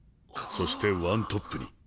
そしてワントップに。